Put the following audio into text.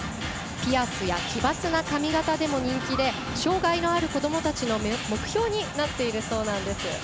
ピアスや奇抜な髪形でも人気で障がいのある子どもたちの目標になっているそうなんです。